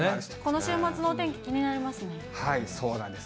この週末のお天気、気になりそうなんです。